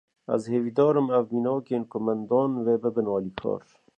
Ez hevîdarim ev minakên ku min dan, wê bibin alîkar